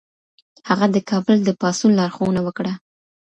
هغه د کابل د پاڅون لارښوونه وکړه.